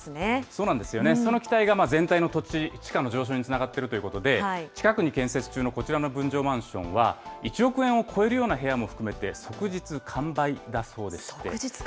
そうなんですよね、その期待が全体の土地、地価の上昇につながっているということで、近くに建設中のこちらの分譲マンションは、１億円を超えるような部屋も含めて、即日完売だそうでして。